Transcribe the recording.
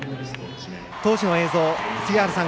当時の映像、杉原さん